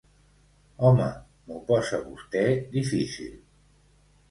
Home, m'ho posa vostè difícil.